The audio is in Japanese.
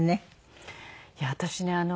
いや私ね